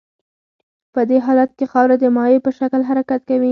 په دې حالت کې خاوره د مایع په شکل حرکت کوي